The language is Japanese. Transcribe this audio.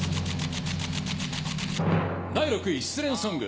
第６位、失恋ソング。